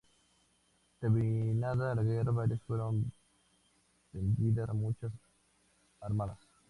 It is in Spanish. Terminada la guerra varias fueron vendidas a muchas Armadas.